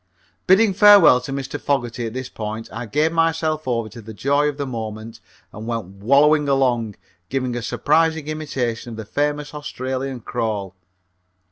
Bidding farewell to Mr. Fogerty at this point, I gave myself over to the joy of the moment and went wallowing along, giving a surprising imitation of the famous Australian crawl.